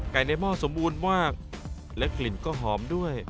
ในหม้อสมบูรณ์มากและกลิ่นก็หอมด้วย